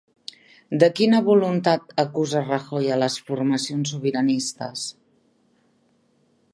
De quina voluntat acusa Rajoy a les formacions sobiranistes?